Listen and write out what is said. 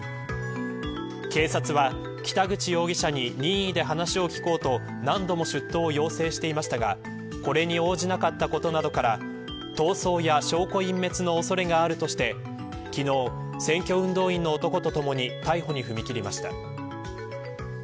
警察は、北口容疑者に任意で話を聞こうと何度も出頭を要請していましたがこれに応じなかったことなどから逃走や証拠隠滅の恐れがあるとして昨日、選挙運動員の男とともに逮捕に踏み切りました。